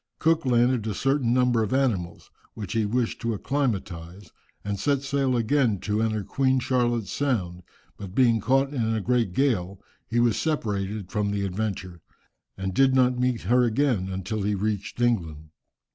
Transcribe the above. Cook landed a certain number of animals, which he wished to acclimatize, and set sail again to enter Queen Charlotte's Sound, but being caught in a great gale, he was separated from the Adventure, and did not meet her again until he reached England.